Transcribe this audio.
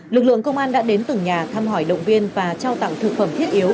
lực lượng công an đã đến từng nhà thăm hỏi động viên và trao tặng thực phẩm thiết yếu